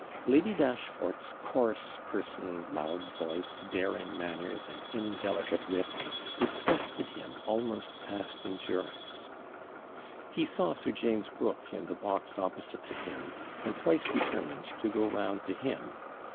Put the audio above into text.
Lady Dashfort's coarse person, loud voice, daring manners, and indelicate wit, disgusted him almost past endurance, He saw Sir James Brooke in the box opposite to him; and twice determined to go round to him.